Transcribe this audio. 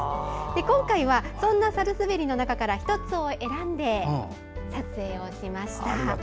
今回はそんなサルスベリの中から１つを選んで撮影をしました。